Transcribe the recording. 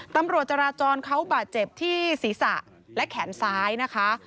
ตำรวจจราจรเขาบาดเจ็บที่ศีรษะและแขนซ้ายนะคะ